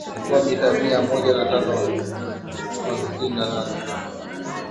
kuwa mita mia moja na tano kwa sitini na nane